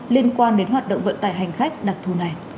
liên quan đến hoạt động vận tải hành khách đặc thù này